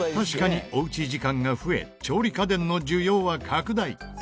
確かにおうち時間が増え調理家電の需要は拡大。